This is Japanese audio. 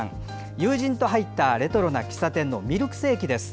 友人と入ったレトロな喫茶店のミルクセーキです。